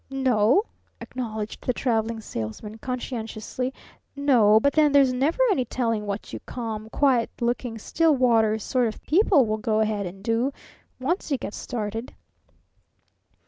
"N o o," acknowledged the Traveling Salesman conscientiously. "N o o; but then there's never any telling what you calm, quiet looking, still waters sort of people will go ahead and do once you get started."